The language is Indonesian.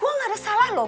gue gak ada salah loh